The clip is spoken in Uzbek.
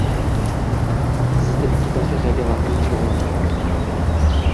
Sizni ikki daqiqaga vaqtingizni olaman.